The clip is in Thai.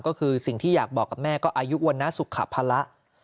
ก็คือสิ่งที่อยากบอกกับแม่ก็อายุวรรณสุขภาระ